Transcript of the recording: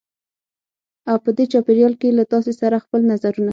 او په دې چاپېریال کې له تاسې سره خپل نظرونه